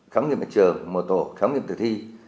khám nghiệp mặt trường một tổ khám nghiệp thử thi